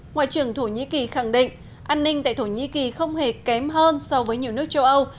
ngoại trưởng thổ nhĩ kỳ khẳng định an ninh tại thổ nhĩ kỳ không hề kém hơn so với nhiều nước châu âu